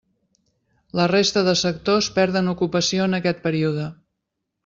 La resta de sectors perden ocupació en aquest període.